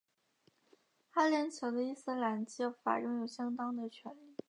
阿联酋的伊斯兰教法拥有相当的权力。